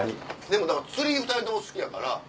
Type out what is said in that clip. でもだから釣り２人とも好きやから。